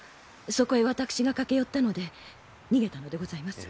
そこへ私が駆け寄ったので逃げたのでございます。